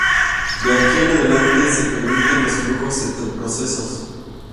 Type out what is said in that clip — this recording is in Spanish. De aquí en adelante se permiten los flujos entre procesos.